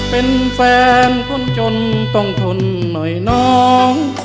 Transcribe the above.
เป็นแฟนคนจนต้องทนหน่อยน้อง